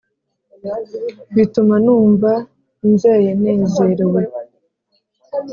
bituma numva nzeye nezerewe